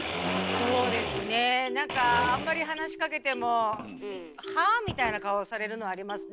そうですねなんかあんまり話しかけても「はあ？」みたいな顔されるのありますね。